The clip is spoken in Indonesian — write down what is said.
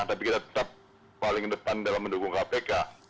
tapi kita tetap paling depan dalam mendukung kpk